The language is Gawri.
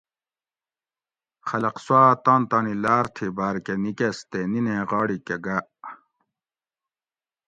خلق سواۤ تان تانی لاۤر تھی باۤر کہ نِکۤس تے نینیں غاڑی ک گاۤ